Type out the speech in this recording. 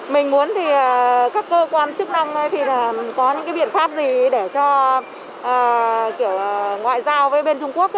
mình muốn thì các cơ quan chức năng khi là có những cái biện pháp gì để cho kiểu ngoại giao với bên trung quốc